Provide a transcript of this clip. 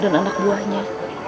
dan anak buahnya